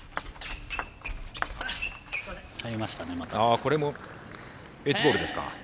これもエッジボールですか。